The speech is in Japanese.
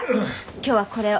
今日はこれを。